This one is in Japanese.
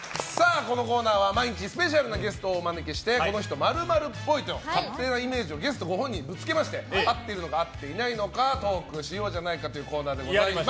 このコーナーは毎日スペシャルなゲストをお招きしてこの人〇〇っぽいという勝手なイメージをゲストご本人にぶつけまして合っているのか合っていないのかトークしようじゃないかというコーナーでございます。